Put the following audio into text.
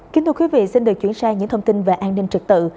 kính thưa quý vị xin được chuyển sang những thông tin về an ninh trực tự